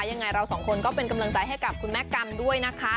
ยังไงเราสองคนก็เป็นกำลังใจให้กับคุณแม่กันด้วยนะคะ